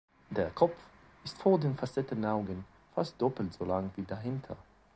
Der Kopf ist vor den Facettenaugen fast doppelt solang wie dahinter.